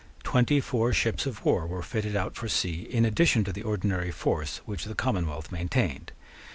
Twenty four ships of war were fitted out for sea in addition to the ordinary force which the commonwealth maintained.